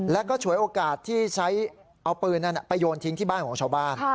แล้วก็ฉวยโอกาสที่ใช้เอาปืนนั้นไปโยนทิ้งที่บ้านของชาวบ้าน